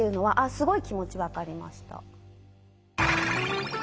すごい気持ち分かりました。